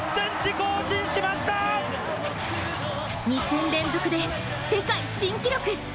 ２戦連続で世界新記録。